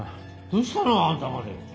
どうしたの？あんたまで。